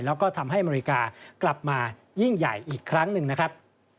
แล้วก็ทำให้อเมริกากลับมายิ่งใหญ่อีกครั้งหนึ่งนะครับ